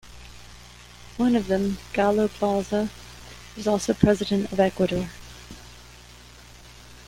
One of them, Galo Plaza, was also president of Ecuador.